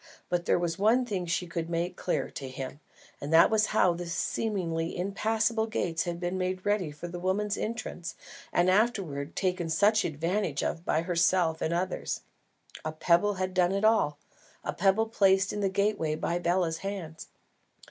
But there was one thing she could make clear, to him, and that was how the seemingly impassable gates had been made ready for the woman's entrance and afterwards taken such advantage of by herself and others. A pebble had done it all, a pebble placed in the gateway by Bela's hands.